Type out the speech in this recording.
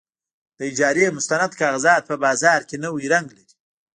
د اجارې مستند کاغذات په بازار کې نوی رنګ لري.